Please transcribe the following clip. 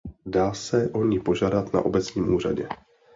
Dá se o ni požádat na obecním úřadě.